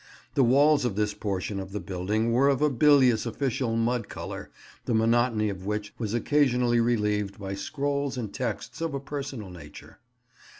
The walls of this portion of the building were of a bilious official mud colour, the monotony of which was occasionally relieved by scrolls and texts of a personal nature.